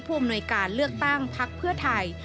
อำนวยการเลือกตั้งพักเพื่อไทย